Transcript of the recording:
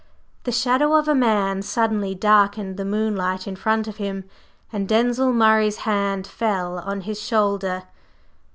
The shadow of a man suddenly darkened the moonlight in front of him, and Denzil Murray's hand fell on his shoulder.